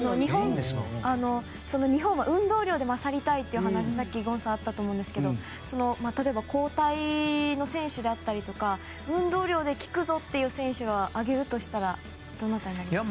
日本は運動量で勝りたいというお話、ゴンさんからあったと思うんですけど例えば交代の選手であったりとか運動量で効くぞっていう選手を挙げるとしたらどなたになりますか？